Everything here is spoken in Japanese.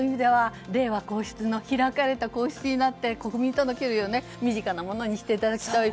令和皇室、開かれた皇室になって国民との距離を身近なものにしていただきたい。